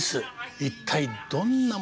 一体どんなものなのか。